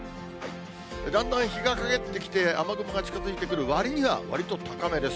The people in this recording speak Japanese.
だんだん日がかげってきて、雨雲が近づいてくるわりにはわりと高めです。